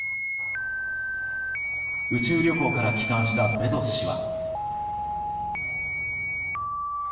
宇宙旅行から帰還したベゾス氏は。